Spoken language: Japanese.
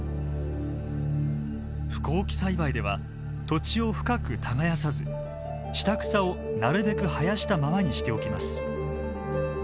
不耕起栽培では土地を深く耕さず下草をなるべく生やしたままにしておきます。